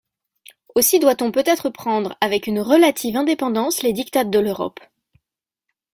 Aussi doit-on peut-être prendre avec une relative indépendance les diktats de l’Europe.